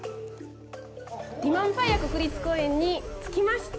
ティマンファヤ国立公園に着きました。